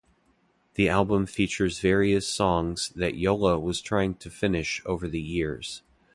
The album features various songs that Yola was trying to finish over the years.